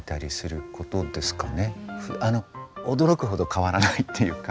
あの驚くほど変わらないっていうか。